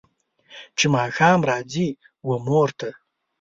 چې ماښام راځي و مور ته